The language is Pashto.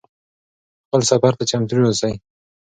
خپل سفر ته چمتو اوسئ.